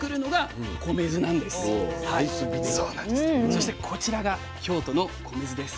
そしてこちらが京都の米酢です。